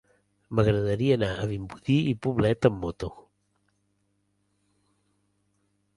M'agradaria anar a Vimbodí i Poblet amb moto.